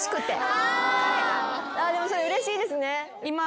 でもそれうれしいですね。